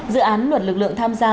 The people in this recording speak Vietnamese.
dự án luật lực lượng tham gia